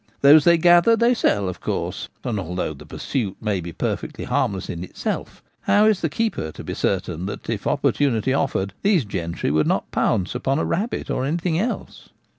Those they gather they sell, of course; and although the pursuit may be perfectly harmless in "itself, how is the keeper to be certain that, if opportunity offered, these gentry would not pounce upon a rabbit or anything else?